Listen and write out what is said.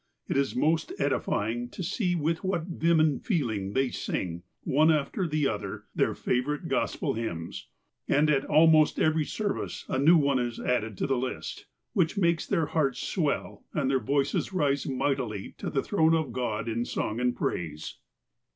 It is most edifying to see with what vim and feel ing they sing, one after the other, their favourite Gospel hymns. And at almost every service a new one is added to the list, which makes their hearts swell, and their voices rise mightily to the throne of God in song and praise.